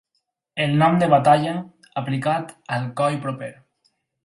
El nom de Batalla, aplicat al coll proper.